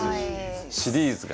シリーズが。